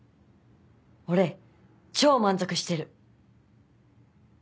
俺超満足してる。